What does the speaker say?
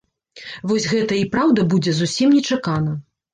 Вось гэта і праўда будзе зусім нечакана.